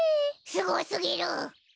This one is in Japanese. すごすぎる！